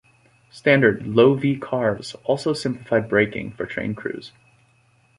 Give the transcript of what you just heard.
Standard Lo-V cars also simplified braking for train crews.